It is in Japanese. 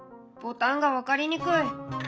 「ボタンが分かりにくい！」。